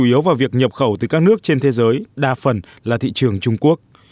chủ yếu vào việc nhập khẩu từ các nước trên thế giới đa phần là thị trường trung quốc